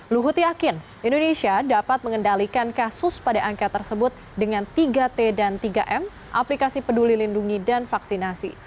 luhut yakin indonesia dapat mengendalikan kasus pada angka tersebut dengan tiga t dan tiga m aplikasi peduli lindungi dan vaksinasi